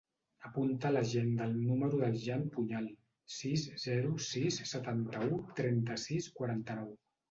Apunta a l'agenda el número del Jan Puñal: sis, zero, sis, setanta-u, trenta-sis, quaranta-nou.